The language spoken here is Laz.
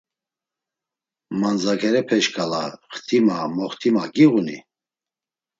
Mandzagerepe k̆ala xtima, moxtima giğuni?